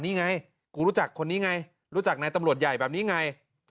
นี่ไงกูรู้จักคนนี้ไงรู้จักนายตำรวจใหญ่แบบนี้ไง